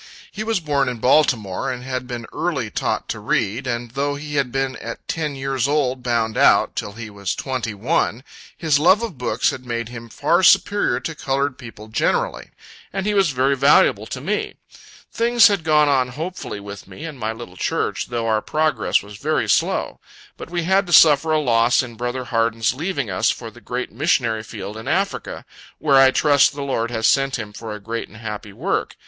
He was born in Baltimore, and had been early taught to read, and though he had been at ten years old bound out, till he was twenty one, his love of books had made him far superior to colored people generally, and he was very valuable to me. Things had gone on hopefully with me, and my little church, though our progress was very slow. But we had to suffer a loss in brother Harden's leaving us for the great missionary field in Africa, where I trust the Lord has sent him for a great and happy work.